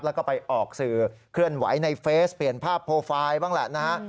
แล้วก็ไปออกสื่อเคลื่อนไหวในเฟซเปลี่ยนภาพโปรไฟล์บ้างแหละนะฮะ